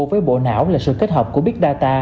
với bộ não là sự kết hợp của big data